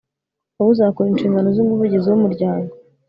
wowe uzakora inshingano z'umuvugizi w' umuryango